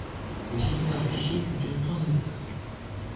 Les gestionnaires de fichier fonctionnent sans émulateur.